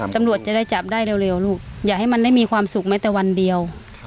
ตำรวจจะได้จับได้เร็วลูกอย่าให้มันได้มีความสุขแม้แต่วันเดียว